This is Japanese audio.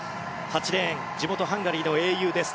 ８レーン地元ハンガリーの英雄です